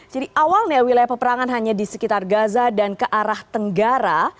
jadi awalnya wilayah peperangan hanya di sekitar gaza dan ke arah tenggara